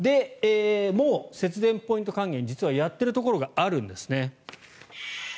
もう節電ポイント還元実はやってるところがあるんですね。